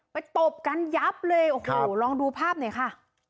ตบกันยับเลยโอ้โหลองดูภาพหน่อยค่ะ